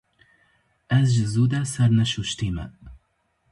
Ez ji zû de serneşûştî me.